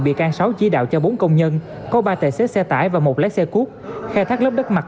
bị can sáu chỉ đạo cho bốn công nhân có ba tài xế xe tải và một lái xe cuốc khai thác lớp đất mặt